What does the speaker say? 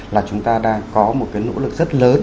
là chúng ta đang có một cái nỗ lực rất lớn